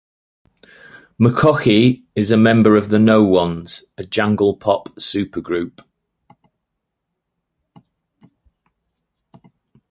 McCaughey is a member of The No Ones, a jangle pop supergroup.